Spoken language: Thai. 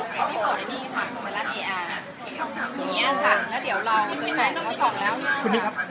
สวัสดีครับ